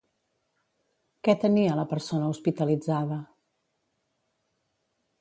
Què tenia la persona hospitalitzada?